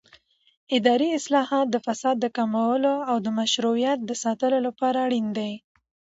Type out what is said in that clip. اداري اصلاحات د فساد د کمولو او مشروعیت د ساتلو لپاره اړین دي